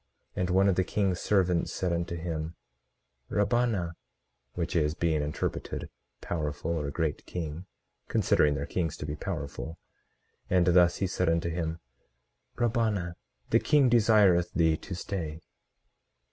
18:13 And one of the king's servants said unto him, Rabbanah, which is, being interpreted, powerful or great king, considering their kings to be powerful; and thus he said unto him: Rabbanah, the king desireth thee to stay.